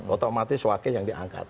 otomatis wakil yang diangkat